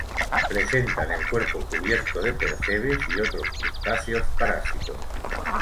Presentan el cuerpo cubierto de percebes y otros crustáceos parásitos.